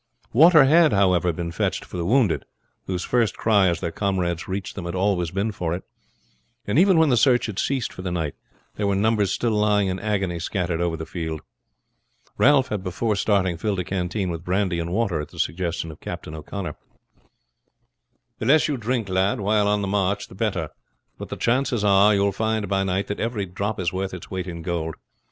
Water had, however, been fetched for the wounded, whose first cry as their comrades reached them had always been for it; and even when the search had ceased for the night, there were numbers still lying in agony scattered over the field. Ralph had before starting filled a canteen with brandy and water at the suggestion of Captain O'Connor. "The less you drink, lad, while on the march the better; but the chances are you will find by night that every drop is worth its weight in gold.